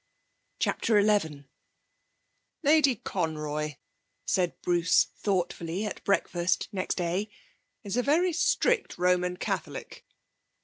CHAPTER XI 'Lady Conroy,' said Bruce thoughtfully, at breakfast next day, 'is a very strict Roman Catholic.'